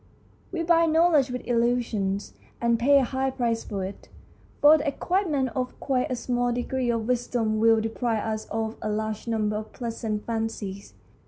We buy knowledge with illusions, and pay a high price for it, for the acquirement of quite a small degree of wisdom will deprive us of a large number of pleasant fancies.